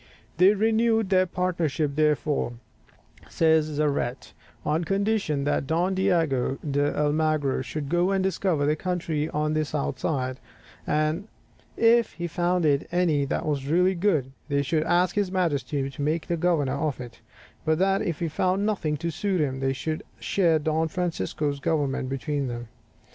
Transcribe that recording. "They renewed their partnership, therefore," says Zarate, "on condition that Don Diego d'Almagro should go and discover the country on the south side, and if he found any that was really good, they should ask his Majesty to make him the governor of it; but that if he found nothing to suit him, they should share Don Francisco's government between them."